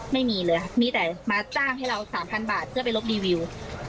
ไม่มีเลยค่ะมีแต่มาจ้างให้เรา๓๐๐บาทเพื่อไปลบรีวิว